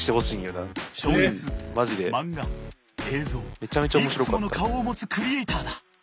小説漫画映像いくつもの顔を持つクリエイターだ。